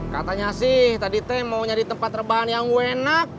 katanya sih tadi teh mau nyari tempat rebahan yang enak